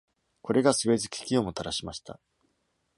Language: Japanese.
これがスエズ危機をもたらしました。